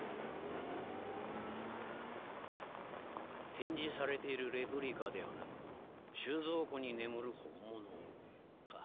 展示されているレプリカではなく収蔵庫に眠る本物をか。